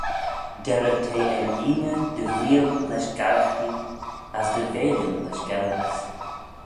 Derrey t'eh er lhieeney dty veeal lesh garaghtee, as dty veillyn lesh gennallys.